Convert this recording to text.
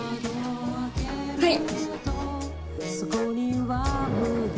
はい！